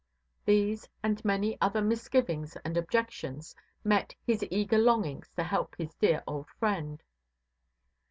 These, and many other misgivings and objections, met his eager longings to help his dear old friend.